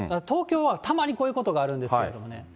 東京はたまにこういうことがあるんですけどね。